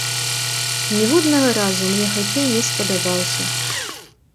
Ніводнага разу мне хакей не спадабаўся.